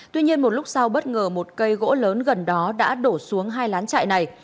tuy nhiên một lúc sau bất ngờ một cây gỗ lớn gần đó đã đổ xuống hai lán chạy này